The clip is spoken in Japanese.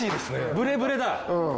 ブレブレだ。